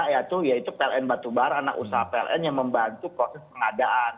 yaitu pln batubara anak usaha pln yang membantu proses pengadaan